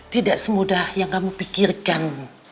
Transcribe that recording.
tidak semudah yang kamu pikirkan